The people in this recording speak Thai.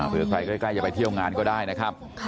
ใครใกล้จะไปเที่ยวงานก็ได้นะครับ